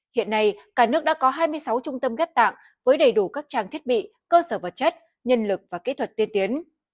hiện nay cả nước đã có hai mươi sáu trung tâm ghép tạng với đầy đủ các trang thiết bị cơ sở vật chất nhân lực và kỹ thuật tiên tiến